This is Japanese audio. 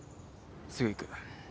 すぐ行く。